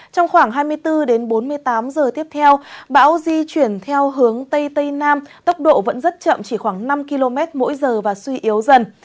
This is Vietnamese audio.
trong khoảng hai mươi bốn đến bốn mươi tám giờ tiếp theo bão di chuyển theo hướng tây tây nam tốc độ vẫn rất chậm chỉ khoảng năm km mỗi giờ và suy yếu dần